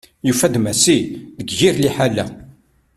Yufa-d Massi deg yir lḥala.